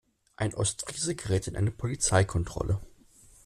Ein Ostfriese gerät in eine Polizeikontrolle.